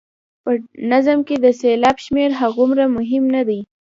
په نظم کې د سېلاب شمېر هغومره مهم نه دی.